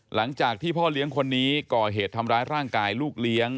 หลังจากที่พ่อเลี้ยงคนนี้ก่อเหตุทำร้ายร่างกายลูกเลี้ยง